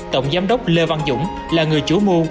tổng giám đốc lê văn dũng là người chủ mưu